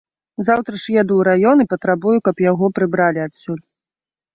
Заўтра ж еду ў раён і патрабую, каб яго прыбралі адсюль.